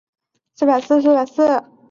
多世代性蝶种。